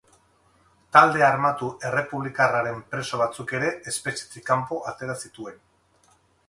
Talde armatu errepublikarraren preso batzuk ere espetxetik kanpo atera zituen.